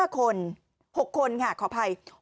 ๕คน๖คนค่ะขออภัย